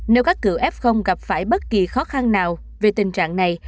nếu các cựu f gặp phải bất kỳ khó khăn nào về tình trạng này